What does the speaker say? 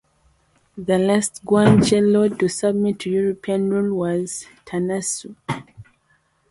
The last Guanche lord to submit to European rule was Tanausu.